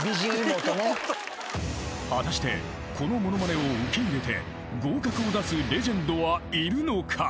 ［果たしてこのものまねを受け入れて合格を出すレジェンドはいるのか？］